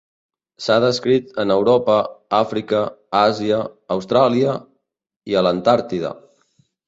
S'ha descrit en Europa, Àfrica, Àsia, Austràlia i a l'Antàrtida.